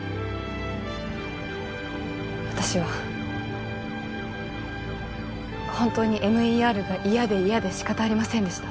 私は本当にＭＥＲが嫌で嫌で仕方ありませんでした